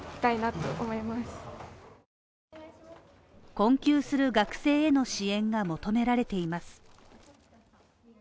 困窮する学生への支援が求められています。